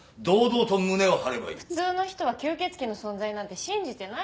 普通の人は吸血鬼の存在なんて信じてないから。